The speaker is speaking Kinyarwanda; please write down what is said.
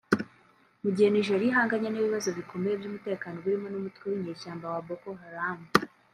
mu gihe Nigeria ihanganye n’ibibazo bikomeye by’umutekano birimo n’umutwe w’inyeshyamba wa Boko Haram